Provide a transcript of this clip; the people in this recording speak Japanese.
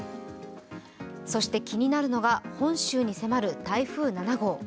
そして気になるのが本州に迫る、台風７号。